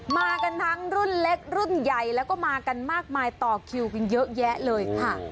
มากันทั้งรุ่นเล็กรุ่นใหญ่แล้วก็มากันมากมายต่อคิวกันเยอะแยะเลยค่ะ